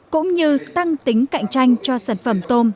cũng như tăng tính cạnh tranh cho sản phẩm tôm